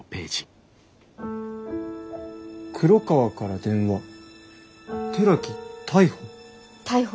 「黒川から電話寺木逮捕」。